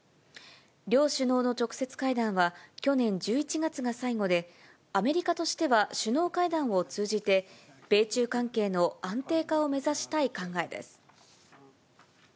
両首脳の直接会談は去年１１月が最後で、アメリカとしては首脳会談を通じて、米中関係の安定化を目指したい考えです。